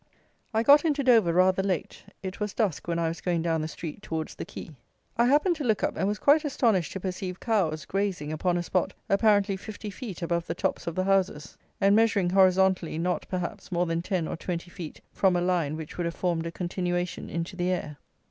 I got into Dover rather late. It was dusk when I was going down the street towards the quay. I happened to look up, and was quite astonished to perceive cows grazing upon a spot apparently fifty feet above the tops of the houses, and measuring horizontally not, perhaps, more than ten or twenty feet from a line which would have formed a continuation into the air.